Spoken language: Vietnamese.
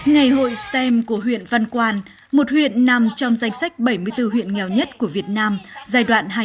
ngày hội stem của huyện văn quan một huyện nằm trong danh sách bảy mươi bốn huyện nghèo nhất của việt nam giai đoạn hai nghìn hai mươi một hai nghìn hai mươi